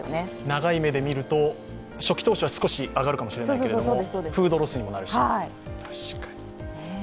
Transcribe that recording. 長い目で見ると、初期投資は少し上がるかもしれないけど、フードロスにもなるし。